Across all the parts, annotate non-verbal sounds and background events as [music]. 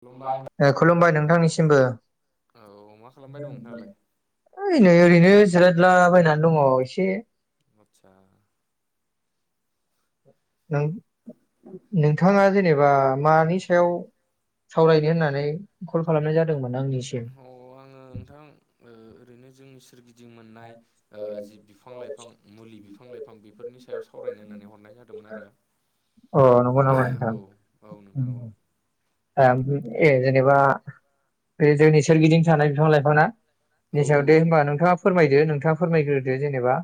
खुलुमबाय खुलुमबाय नोंथांनिसिमबो नोंथां। औ मा खालामबाय दं नोंथाङालाय? ओइ नो ओरैनो जिरादलाबायनानै दङ इसे। आदसा नों। नोंथाङा जेनेबा। मानि सायाव सावरायनो होननानै कल खालामनाय जादोंमोन आंनिसिम। बेनो जोंनि सोरगि। जों मोननाय ओ जि बिफां- लाइफां मुलि बिफां- लाइफां बेफोरनि सायाव सावरायनो होननानै हरनाय जादोंमोन आरो अ नंगौ नामा नोंथां औ। औ नोंथां औ [unintelligible] [unintelligible] ए जेनेबा बे जोंनि सोरगिदिं थानाय बिफां- लाइफाङा औ नि सायाव दे औ होमबा नोंथाङा फोरमायदो नोंथाङा फोरमायग्रोदो जेनेबा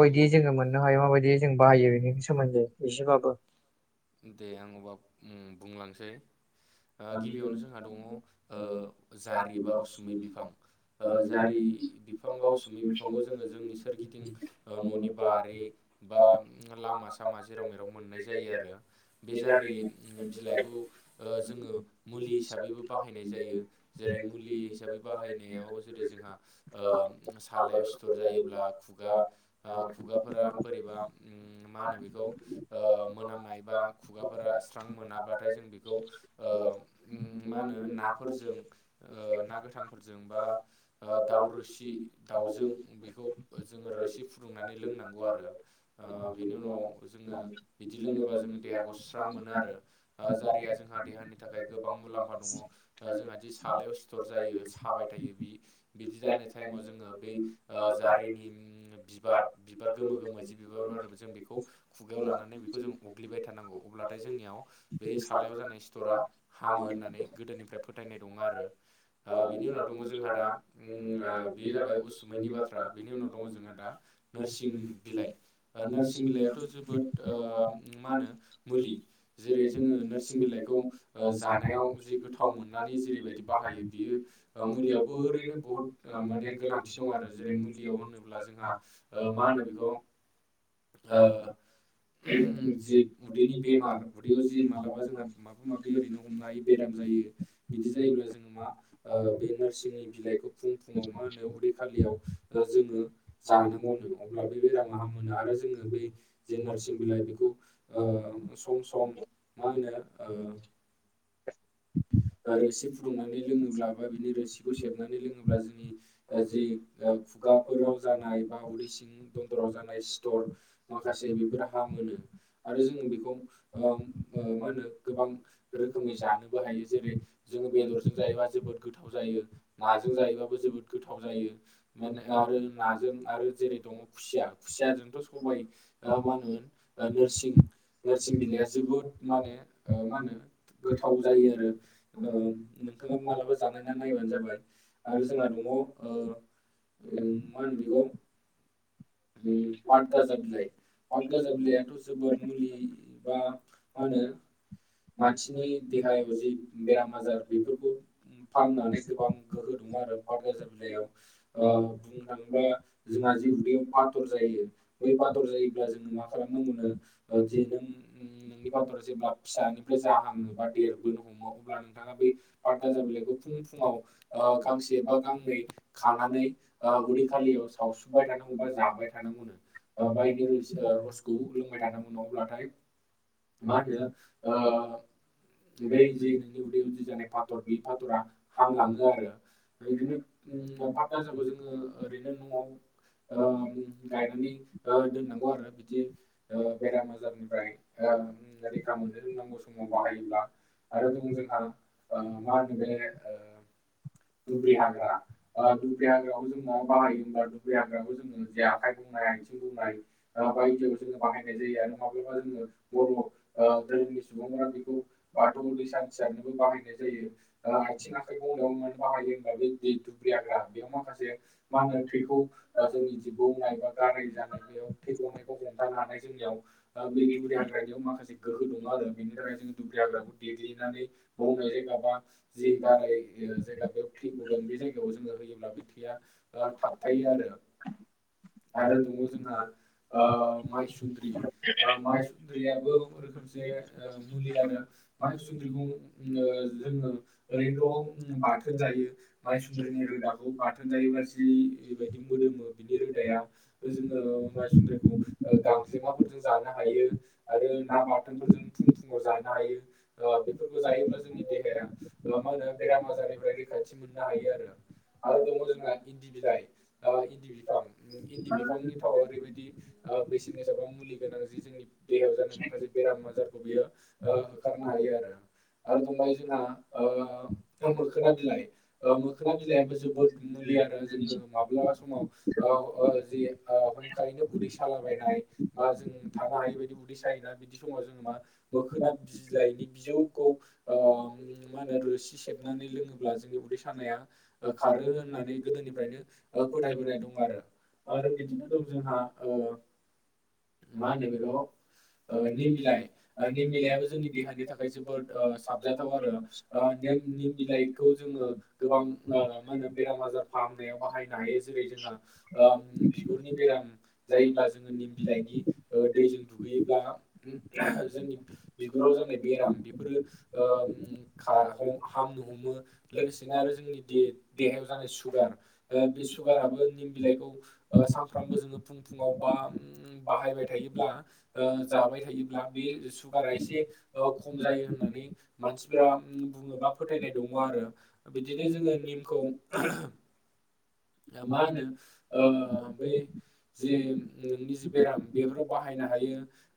औ जोङो मोननो हायो माबायदि जों बाहायो बेनि सोमोन्दै एसेबाबो दे आं अबा ओम बुंलांसै ओह गिबियावनो जोंहा दङ ओह जारि बा उसुमै बिफां ओह जारि बिफां बा उसुमै बिफांखौ जोङो जोंनि सोरगिदिं ओह न'नि बारि बा लामा - सामा जेराव मेराव मोननाय जायो आरो। बे जारि बिलाइखौ ओह जोङो मुलि हिसाबैबो बाहायनाय जायो जेरै मुलि हिसाबै बाहायनायाव जेरै जोंहा ओह सालायाव सिथर जायोब्ला खुगा खुगाफोरा बोरैबा ओम मा होनो बेखौ ओह मोनामनाय बा खुगाफोरा स्रां मोनाब्लाथाय जों बे खौ ओह ओम मा होनो नाफोरजों ओह ना गोथांफोरजों बा ओह दाउ रोसि दाउजों बेखौ जोङो रोसि फुदुंनानै लोंनांगौ आरो ओह‌ बेनि उनाव जोङो बिदि लोङोबा जोङो देहाखौ सुस्रां मोनो आरो ओह जारिया जोंहा देहानि थाखाय गोबां मुलाम्फा दङ ओ जोंहादि सालाइयाव सिथर जायो साबाय थायो बि बिदि जानाय टाइमाव जोङो बै ओ जारिनि बिबार बिबार गोमो गोमो जि बिबार बारो जों बेखौ खुगायाव लानानै बेखौ जों अग्लिबाय थानांगौ अब्लाथाय जोंनियाव बे सलाइयाव जानाय सि थरा हामो होननानै गोदोनिफ्राय फोथायनाय दङ आरो ओ बिनि उनाव दङ जोंहा दा ओम ओ बे जाबाय उसुमैनि बाथ्रा बेनि उनाव दङ जोंहा दा नोरसिं बिलाइ ओ नोरसिं बिलाइआथ' जोबोद ओ ओम मा होनो मुलि जेरै जोङो नोरसिं बिलाइखौ खौ ओ जानायाव जि गोथाव मोननानै जेरैबायदि बाहायो बियो ओ मुलियावबो ओरैनो बहुत ओ माने गोनांथि दं आरो जेरै मुलियाव होनोब्ला जोंहा ओ मा होनो बेखौ ओ जि उदैनि [unintelligible] बे ओरैनो हमनाय बेराम जायो बिदि जायोब्ला जोङो मा ओ बे नोरसिंनि बिलाइखौ फुं फुङाव मा होनो उदै खालियाव ओ जोङो जानांगौनो अब्ला बे बेरामा हामोनो आरो जोङो बै जे नोरसिं बिलाइ बेखौ ओ सम सम मा होनो ओ ओ रोसि फुदुंनानै लोङोब्ला बा बिनि रोसिखौ सेबनानै लोङोब्ला जोंनि ओ जि ओ खुगाफोराव जानाय बा उदै सिं दन्दराव जानाय सिथर माखासे बेफोर हामोनो। आरो जोङो बेखौ ओम ओ मा होनो रोखोमै जानोबो हायो जेरै जोङो बेदरजों जायोबा जोबोद गोथाव जायो नाजों जायोबाबो जोबोद गोथाव जायो माने आरो नाजों आरो जेरै दङ खुसिया खुसियाजोंथ' सबाइ ओ मा होनोमोन ओ नोरसिं [unintelligible] ओ मा होनो गोथाव जायो आरो ओ नोंथाङा मालाबा जानायना नायबानो जाबाय आरो जोंहा दङ ओ ओम मा होनो बेखौ ओम पाटगाजा बिलाइ पाटगाजा बिलाइआथ' जो मुलि बा मा होनो मानसिनि देहायाव जि बेराम आजार बेफोरखौ फाहामनानै गोबां गोहो दङ आरो पाटगाजा बिलाइयाव ओ बुंनो थाङोब्ला जोंहा जे उदैयाव फाथर जायो बै फाथर जायोब्ला जोङो मा खालामनांगौनो ओ जि नों नोंनि फाथरा जेब्ला फिसानिफ्राय जाहांनो बा देरबोनो हमो अब्ला नोंथाङा बे पाटगाजा बिलाइखौ फुं फुङाव ओ गांसे बा गांनै खानानै ओ उदै खालियाव सावसुबबाय थानांगौ बा जाबाय थानांगौनो बा इनि रोसि ओ रसखौ लोंबाय थानांगौ नो अब्लाथाय मा होनो ओ बै जि नोंनि उदैयाव जि जानाय फाथर बे फाथरा हामलाङो आरो बिदिनो उम पाट गाजाखौ जोङो ओरैनो न'आव ओ गायनानै ओ दोननांगौ आरो बिदि ओ बेराम आजारनिफ्राय ओ रैखा मोनो। नांगौ समाव बाहायोब्ला आरो दं जोंहा ओ मा होनो बे ओ दुब्रि हाग्रा ओ दुब्रि हाग्राखौ जों मायाव बाहायो होम्ब्ला दुब्रि हाग्राखौ जोङो जि आखाइ बौनाय आइथिं बौनाय ओ बायदियाव‌ जोङो बाहायनाय जायो आरो माब्लाबा जोङो बर' ओ धोरोमनि सुबुंफोरा बेखौ बाथौ दै सान्थि सारनोबो बाहायनाय जायो ओ आइथिं आखाइ बौनायाव मानो बाहायो होनब्ला बे दुब्रि‌ हाग्रा बेयाव माखासे मा होनो थैखौ ओ जोंनि जि बौनाय बा गाराय जानाय बेयाव थै गनायखौ हम थानो हानाय जोंनियाव ओ बे दुब्रि हाग्रानियाव माखसे गो हो दङ आरो बेनि थाखाय जोङो दुब्रि हाग्राखौ देग्लिनानै बौनाय जायगा बा जि गाराय जायगा बेयाव थै गदों बे जायगायाव जोङो होयोब्ला बे थैया ओ थाबथायो आरो आरो दङ जोंहा ओ माइसुन्द्रि ओ माइसुन्द्रियाबो मोमसे ओ मुलि आरो माइसुन्द्रिखौ ओ जोङो ओरैनोथ' बाथोन जायो माइसुन्द्रनि रोदाखौ बाथोन जायोब्ला जिबायदि मोदोमो बिनि रोदाया जोङो माइसुन्द्रिखौ ओ गांजेमाफोरजों जानो हायो आरो ना बाथोनफोरजों फुं फुङाव जानो हायो ओ बेफोरखौ जायोब्ला जोंनि देहाया ओ मा होनो बेराम आजारनिफ्राय रैखाथि मोननो हायो आरो -आरो दङ जोंहा इन्दि बिलाइ ओ इन्दि बिफां इन्दि बिफांनि थावा ओरैबायदि ओ बेसेन गोसाबा मुलि गोनां जि जोंनि देहायाव जा माखासे बेराम आजारखौ बियो ओ होखारनो हायो आरो आरो दंबाय जोंहा ओ मोखोना बिलाइ ओ मोखोना बिलाइयाबो जोबोद मुलि आरो जोङो माब्लाबा समाव ओ ओ जि ओ हमायनो उदै [unintelligible] बा जों थानो हायै बायदि उ थायोना बिदि समाव जोङो मा मोखोना बिलाइनि बिजौखौ ओ मा होनो रोसि सेबनानै लोङोब्ला जोंनि उदै सानाया खारो होननानै गोदोनिफ्रायनो ओ फोथायबोनाय दं आरो आरो बिदिनो दं जोंहा ओ मा होनो बेखौ ओ [unintelligible] निम बिलाइ ओ निम बिलाइयाबो जोंनि देहानि थाखाय जोबोद ओ साबजाथाव आरो ओ निम निम बिलाइखौ जोङो गोबां ओ मा होनो बेराम आजार फाहामनायाव बाहायनो हायो जेरै जोंहा ओ बिगुरनि बेराम जायोब्ला [unintelligible] गैयोब्ला [unintelligible] जोंनि बिगुराव जानाय बेराम बेफोरो ओ ओम खा ओ हामनो हमो लोगोसेनो आरो जोंनि दे देहायाव जानाय सुगार बे सुगाराबो निम बिलाइखौ ओ सानफ्रामबो जोङो फुं -फुङाव बा ओम बाहायबाय थायोब्ला ओ जाबाय थायोब्ला बे सुगारा एसे ओ खम जायो होननानै मानसिफोरा बुंङोबा फोथायनाय दङ आरो। बिदिनो जोङो निमखौ मा होनो ओ बै जि नोंनि जि बेराम बेफोराव बाहायनो हायो।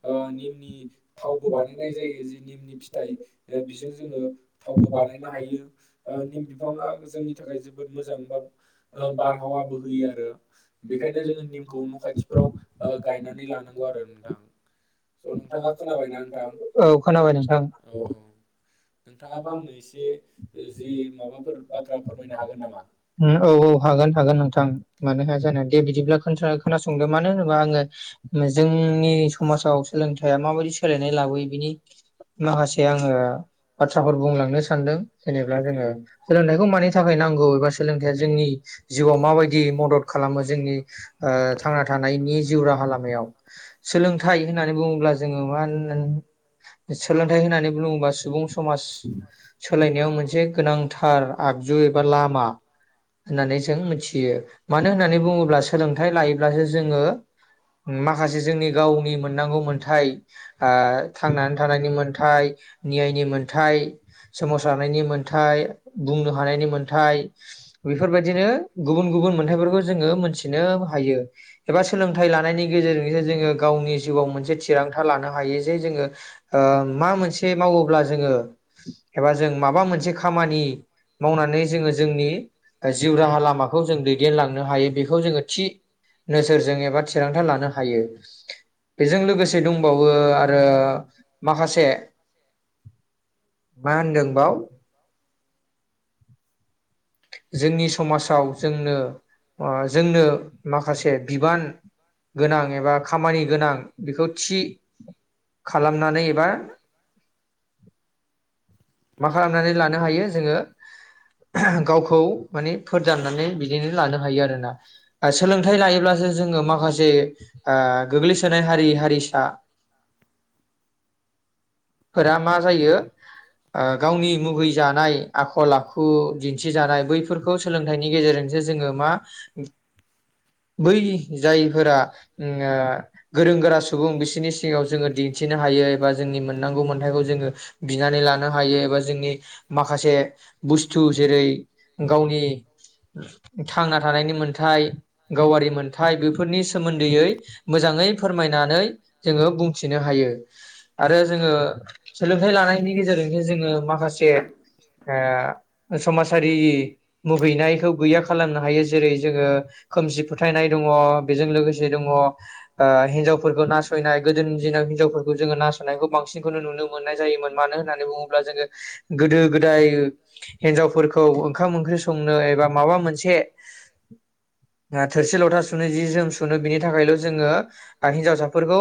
ओ निमनि थावबो बानायनाय जायो। जि निमनि फिथाइ बेजों जोङो थावबो बानायनो हायो। ओ निम बिफाङा जोंनि थाखाय जोबोद मोजां बा ओ बारहावाबो होयो आरो। बेखायनो जोङो निम खौ न' खाथिफ्राव ओ गायनानै लानांगौ आरो नोंथां। स' नोंथाङा खोनाबायना नोंथां? औ औ खोनाबाय। औ नोंथाङाबो आंनो एसे जि माबाफोर बाथ्रा फोरमायनो हागोन नामा? उम औ हागोन हागोन नोंथां मानो हाया जानो। दे बिदिब्ला ख खोनासंद। मानो होनोबा आंङो जोंनि समाजाव सोलोंथाइया माबायदि सोलायनाय लाबोयो बिनि माखासे आंङो बाथ्राफोर बुंलांनो सानदों। जेनेबा दे जोङो सोलोंथाइखौ मानि थाखाय नांगौ एबा सोलोंथाइया जोंनि जिउआव माबायदि मदद खालामो जोंनि ओ थांना थानायनि जिउ राहा लामायाव। सोलोंथाइ होननानै बुंङोब्ला जोंङो मा होनो सोलोंथाइ होननानै बुंङोबा सुबुं समाज सोलायनायाव मोनसे गोनांथार आगजु एबा लामा होननानै जों मिथियो। मानो होन्नानै बुंङोब्ला सोलोंथाइ लायोब्लासो जोंङो माखासे जोंङो गावनि मोननांगौ मोन्थाय ओ थांनानै थानायनि मोन्थाय नियाइनि मोन्थाय सोमावसारनायनि नि मोन्थाय बुंनो हानायनि मोन्थाय नि बेफोरबायदिनो गुबुन गुबुन मोनथाइफोरखौ जोंङो मोनथिनो हायो एबा सोलोंथाइ लानायनि गेजेरजोंसो जोंङो गावनि जिउआव मोनसे थिरांथा लानो हायो जे जोंङो ओ मा मोनसे मावोब्ला जोङो एबा जों माबा मोनसे खामानि मावनानै जोङो जोंनि जिउ राहा लामाखौ जों दैदेनलांनो हायो बेखौ जोंङो थि नोजोरजों एबा थिरांथा लानो हायो बेजों लोगोसे दंबावो आरो माखासे मा होनदों बाव जोंनि समाजाव जोंनो ओ जोंनो माखासे बिबान गोनां एबा खामानि गोनां बेखौ थि खालामनानै एबा मा खालामनानै लानो हायो जोंङो गावखौ माने फोरदाननानै बिदिनो लानो हायो आरोना सोलोंथाइ लायोब्लासो जोंङो माखासे ओ गोग्लैसोनाय हारि हारिसा फोरा मा जायो ओ गावनि मुगै जानाय आखल आखु दिन्थिजानाय बैफोरखौ सोलोंथाइनि गेजेरजोंसो जोंङो मा बै जायफोरा उम आ गोरों गोरा सुबुं बिसोरनि सिगांङाव जोंङो दिन्थिनो हायो एबा जोंनि मोननांगौ मोन थायखौ जोङो बिनानै लानो हायो एबा जोंनि माखासे बुस्थु जेरै गावनि थांना थानायनि मोनथाय गावारि मोनथाय बेफोरनि सोमोन्दैयै मोजाङै फोरमायनानै जोंङो बुंथिनो हायो। आरो जोंङो सोलोंथाइ लानाय नि गेजेरजोंसो जोंङो माखासे ओ समाजारि मुगैनायखौ गैया खालामनो हायो जेरै जोंङो खोमसि फोथायनाय दंङ बेजों लोगोसे दंङ ओ हिनजावफोरखौ नासयनाय गोदोनि दिनाव हिनजावफोरखौ जोंङो नासयनायखौ बांसिनखौनो नुनो मोननाय मानो होननानै बुंङोब्ला जोंङो गोदो गोदाय हिनजावफोरखौ ओंखाम ओंख्रि संनो एबा माबा मोनसे थोरसि लथा सुनो जि जोम सुनो बिनि थाखायल' जोंङो हिनजावसाफोरखौ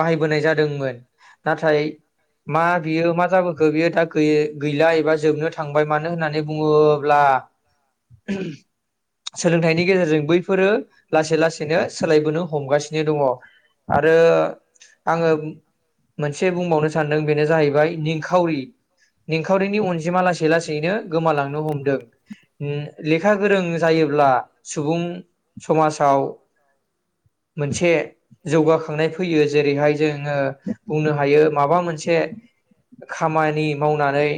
बाहायबोनाय जादोंमोन। नाथाय मा बियो मा जाबोखो बियो दा गै गैला एबा जोबनो थांबाय मानो होननानै बुङोब्ला सोलोंथाइनि गेजेरजों बै फोरो लासै लासैनो सोलायबोनो हमगासिनो दंङ आरो आंङो मोनसे बुंबावनो सानदों बेनो जाहै बाय निखाउरि निखाउरिनि अनजिमा लासै लासैनो गोमालांनो हमदों ओ लेखा गोरों जायोब्ला सुबुं समाजाव मोनसे जौगाखांनाय फैयो जेरैहाय जोङो बुंनो हायो माबा मोनसे खामानि मावनानै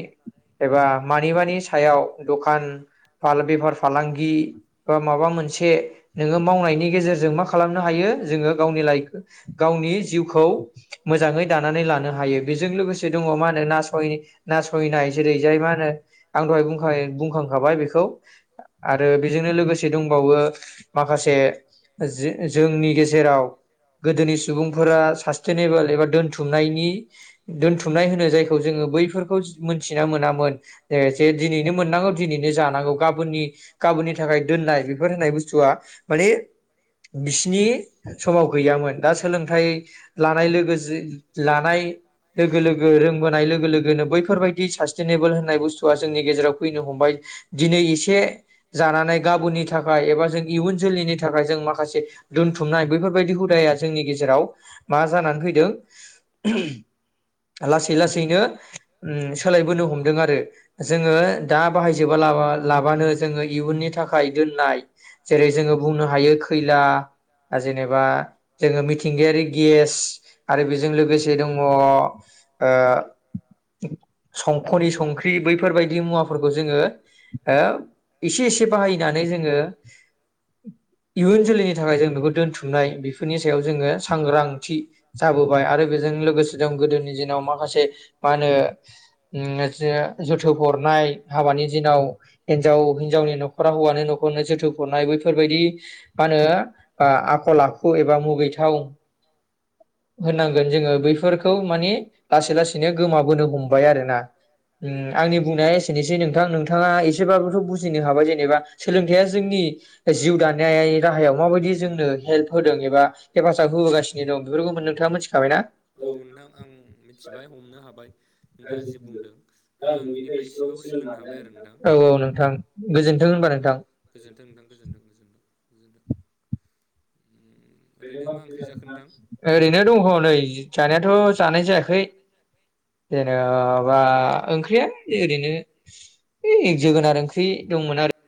एबा मानिबानि सायाव दखान फालां-बेफार फालांगि बा माबा मोनसे से नोङो मावनायनि गेजेरजों मा खालामनो हायो जोङो गावनि लाइफ गावनि जिउखौ मोजाङै दानानै लानो हायो बेजों लोगो दङ मा होनो नासय-नासयनाय जेरै जाय मा होनो आं दहाय बुंखाय-बुंखांखाबाय बेखौ आरो बेजोंनो लोगोसे दंबा माखासे जो-जोंनि गेजेराव गोदोनि सुबुंफोरा सास्टेनेबोल एबा दोनथुमनायनि दोनथु नाय होनो जायखौ जोङो बैफोरखौ मोनथिना मोनामोन जे जे दिनैनो मोननांगौ दिनैनो जानांगौ गाबोननि गाबोननि थाखाय दोननाय बेफोर बुस्थुवा माने बिसिनि समाव गैयामोन दा सोलोंथाइ लानाय लोगो जे लानाय लोगो लोगो रोंबोनाय लोगो लोगोनो बैफोरबायदि सास्टेनेबोल होननाय बुस्थुआ जोंनि गेजेराव फैनो हमबाय दिनै एसे जानानै गाबोननि थाख [unintelligible] एबा जों इयुन जोलैनि थाखाय जों माखासे दोनथुमनाय बैफोरबायदि हुदाया जोंनि गेजेराव मा जानानै फैदों लासै लासैनो उम सोलायबोनो हमदों आरो। जोङो दा बाहायजोबा लाबा-लाबानो जोङो इयुननि थाखाय दोन नाय जेरै जोङो बुंनो हायो खैला जेनेबा जोङो मिथिंगायारि गेस आरो बेजों लोगोसे दङ' ओ संख'नि संख्रि बैफोरबायदि मुवाफोरखौ जोङो ओ एसे एसे बाहायनानै जोङो [inaudible] इयुन जोलैनि थाखाय जों बेखौ दोनथुमनाय बेफोरनि सायाव जोङो सांग्रां थि जाबोबाय आरो बेजों लोगोसे दं गोदोनि दिनाव माखासे मा होनो उम जे जोथोब हरनाय हाबानि दिनाव हिन्जाव हिनजावनि न'खरा हौवानि न'खरनो जोथोब हरनाय बैफोरबायदि माहोनो ओ आखल आखु एबा मुगैथाव होननांगोन जोङो बैफोरखौ माने लासै लासैनो गोमाबोनो हमबाय आरो ना। उम आंनि बुंनाया एसेनोसै नोंथां नोंथाङा एसेबाबोथ' बुजिनो हाबाय जेनेबा सोलोंथाइया जोंनि जिउ दानाय राहायाव माबायदि जोंनो हेल्प होदों एबा हेफाजाब होबोगासिनो दं बेफोरखौ नोंथाङा मिथिखाबायना? औ नोंथां आं मिथिबाय हमनो हाबाय नोंथाङा जि बुंदों आरो आं बिनिफ्राय एसेबाबो सोलोंनो हाबाय आरो नोंथां औ औ नोंथां औ गोजोन्थों होनबा नोंथां गोजोनथों नोंथां गोजोनथों [inaudible] ओरैनो दंह' नै जानायाथ' जानाय जायाखै जेनेबा ओंख्रिया एरैनो इ जोगोनार ओंख्रि दंमोन आरो